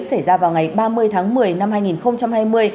xảy ra vào ngày ba mươi tháng một mươi năm hai nghìn hai mươi